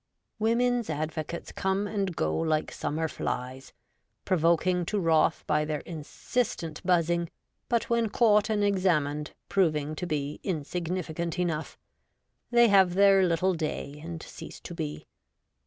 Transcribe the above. Women's advocates come and go like summer flies, provoking to wrath by their insistent buzzing, but, when caught and examined, proving to be insig nificant enough. They have their little day, and cease to be.